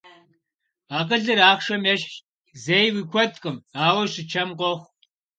Акъылыр ахъшэм ещхьщ, зэи уи куэдкъым, ауэ щычэм къохъу.